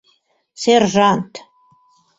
Сержант!